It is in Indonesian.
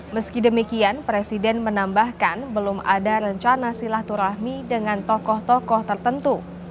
meski demikian presiden menambahkan belum ada rencana silaturahmi dengan tokoh tokoh tertentu